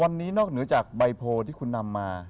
วันนี้นอกเหนือจากใบโพลที่คุณนำมา